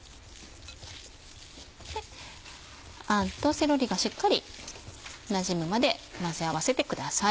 餡とセロリがしっかりなじむまで混ぜ合わせてください。